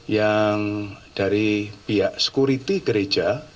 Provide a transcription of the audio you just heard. yang dari pihak sekuriti gereja